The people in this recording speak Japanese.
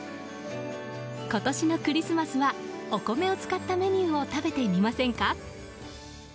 今年のクリスマスはお米を使ったメニューを食べてみませんか？